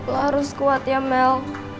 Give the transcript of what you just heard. lo harus kuat ya mel